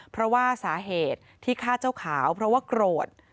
เพราะว่าสาเหตุที่ฆ่าเจ้าขาวเพราะว่าโกรธ